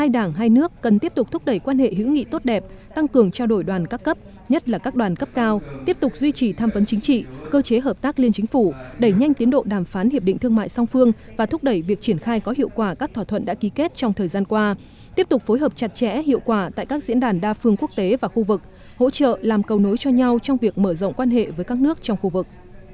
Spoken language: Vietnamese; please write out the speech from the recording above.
đảng hai nước cần tiếp tục thúc đẩy quan hệ hữu nghị tốt đẹp tăng cường trao đổi đoàn các cấp nhất là các đoàn cấp cao tiếp tục duy trì tham vấn chính trị cơ chế hợp tác liên chính phủ đẩy nhanh tiến độ đàm phán hiệp định thương mại song phương và thúc đẩy việc triển khai có hiệu quả các thỏa thuận đã ký kết trong thời gian qua tiếp tục phối hợp chặt chẽ hiệu quả tại các diễn đàn đa phương quốc tế và khu vực hỗ trợ làm cầu nối cho nhau trong việc mở rộng quan hệ với các nước trong khu vực